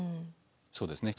そうですね。